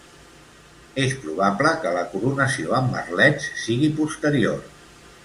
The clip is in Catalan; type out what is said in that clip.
És probable que la coronació amb merlets sigui posterior.